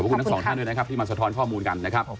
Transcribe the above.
คุณทั้งสองท่านด้วยนะครับที่มาสะท้อนข้อมูลกันนะครับ